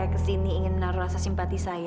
saya ke sini ingin menaruh rasa simpati saya